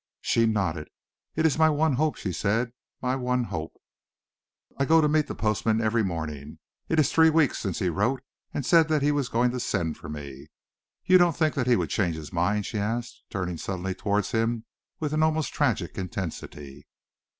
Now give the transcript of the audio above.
She nodded. "It is my one hope," she said, "my one hope. I go to meet the postman every morning. It is three weeks since he wrote and said that he was going to send for me. You don't think that he would change his mind?" she asked, turning suddenly towards him with almost tragic intensity.